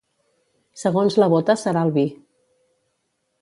Segons la bota serà el vi.